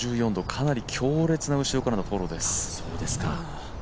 かなり強烈な後ろからのフォローです。